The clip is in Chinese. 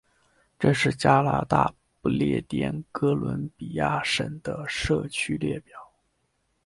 这是加拿大不列颠哥伦比亚省的社区列表。